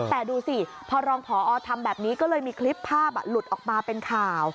แต่ดูสิพอรองพอทำแบบนี้ก็เลยมีคลิปภาพหลุดออกมาเป็นข่าว